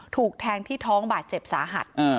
ถูกแทงที่ท้องบาดเจ็บสาหัส